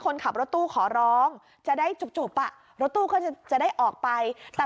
คนขับรถตู้ขอร้องจะได้จุบอ่ะรถตู้ก็จะจะได้ออกไปแต่